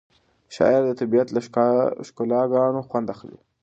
شاعر د طبیعت له ښکلاګانو خوند اخلي.